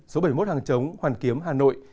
sống hoàn kiếm hà nội